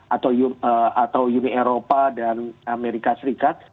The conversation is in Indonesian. atau uni eropa dan amerika serikat